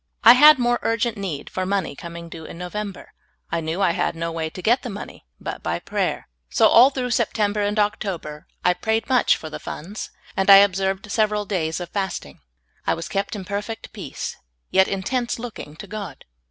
I had more urgent need for money coming due in November. I knew I had no way to get the money but by prayer. Il8 SOUL I^OOD. SO all through September and October I prayed much for the funds, and I observed several da5\s of fasting,, I was kept in perfect peace, 3'et intense looking to God.